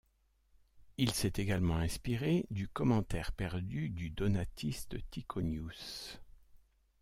Il s'est également inspiré du commentaire perdu du donatiste Tyconius.